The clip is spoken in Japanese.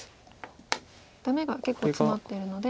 ダメが結構ツマっているので。